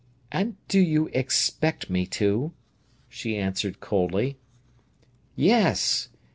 "And do you expect me to?" she answered coldly. "Yes!